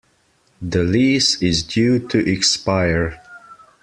The lease is due to expire.